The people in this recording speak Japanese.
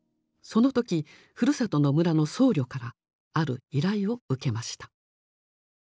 その時ふるさとの村の僧侶からある依頼を受けました。